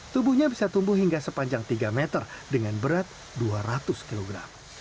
tubuhnya bisa tumbuh hingga sepanjang tiga meter dengan berat dua ratus kg